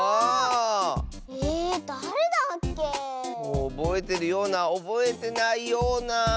おぼえてるようなおぼえてないような。